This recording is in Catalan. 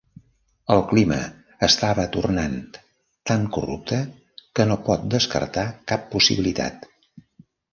El clima estava tornant tan corrupte que no pot descartar cap possibilitat.